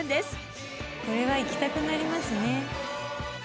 これは行きたくなりますね。